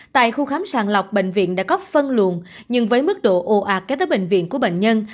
tại khu khám sàng lọc bệnh viện đã có phân luồn nhưng với mức độ ồ ạt kế tới bệnh viện của bệnh nhân